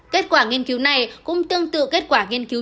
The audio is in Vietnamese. kết quả nghiên cứu này cũng tương tự kết quả nghiên cứu